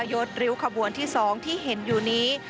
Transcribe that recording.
ยดริ้วขบวนที่๒ที่เห็นอยู่นี้